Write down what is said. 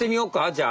じゃあ。